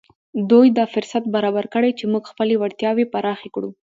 دوی دا فرصت برابر کړی چې موږ خپلې وړتیاوې پراخې کړو